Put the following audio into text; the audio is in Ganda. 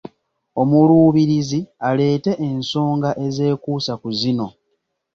Omuluubirizi aleete ensonga ezeekuusa ku zino